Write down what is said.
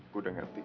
gue udah ngerti